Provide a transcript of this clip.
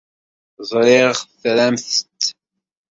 Ẓriɣ tramt-t.